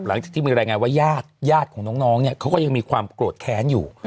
หลังจากที่มีรายงานว่าญาติญาติของน้องเนี่ยเขาก็ยังมีความโกรธแค้นอยู่